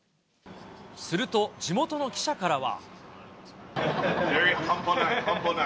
すると、地元の記者からは。